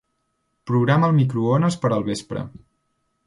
Programa el microones per al vespre.